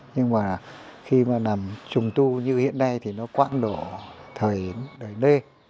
nhưng mà khi mà nằm trùng tu như hiện nay thì nó quãng đổ thời đời nơi